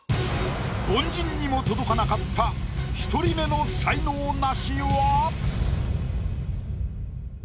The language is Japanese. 凡人にも届かなかった１人目の才能ナシは？